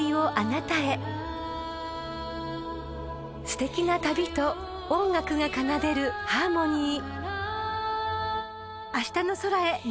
［すてきな旅と音楽が奏でるハーモニー］